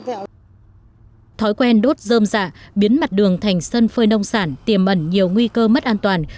thói quen đốt dơm dạ biến mặt đường thành sân phơi nông sản tiềm ẩn nhiều nguy cơ mất an toàn